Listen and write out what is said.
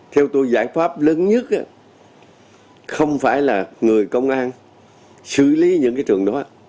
theo tôi giải pháp lớn nhất không phải là người công an xử lý những cái trường đó